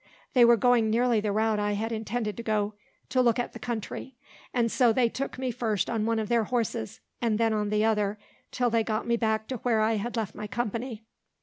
They were going nearly the route I had intended to go, to look at the country; and so they took me first on one of their horses, and then on the other, till they got me back to where I had left my company.